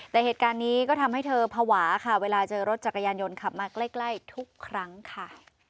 แต่เหตุการณ์นี้ก็ทำให้เธอภาวะค่ะเวลาเจอรถจักรยานยนต์ขับมาใกล้ทุกครั้งค่ะ